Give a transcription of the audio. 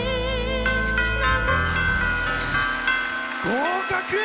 合格！